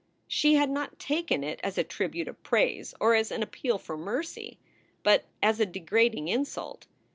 She had not taken it as a tribute of praise or as an appeal for mercy, but as a degrading insult.